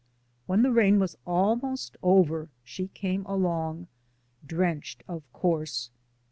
When the rain was almost over she came along — drenched, of course.